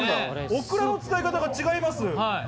オクラの使い方が違います。